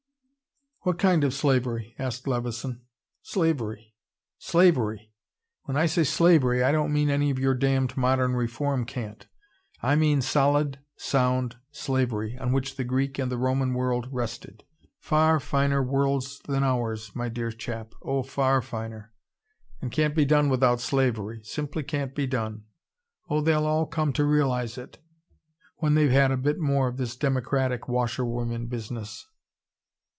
"What kind of slavery?" asked Levison. "Slavery! SLAVERY! When I say SLAVERY I don't mean any of your damned modern reform cant. I mean solid sound slavery on which the Greek and the Roman world rested. FAR finer worlds than ours, my dear chap! Oh FAR finer! And can't be done without slavery. Simply can't be done. Oh, they'll all come to realise it, when they've had a bit more of this democratic washer women business."